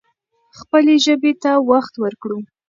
خپلې ژبې ته وخت ورکړو.